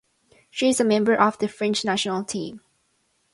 She is a member of the French national team.